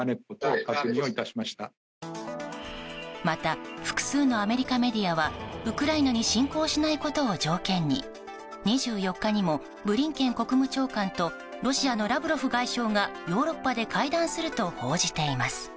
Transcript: また複数のアメリカメディアはウクライナに侵攻しないことを条件に２４日にもブリンケン国務長官とロシアのラブロフ外相がヨーロッパで会談すると報じています。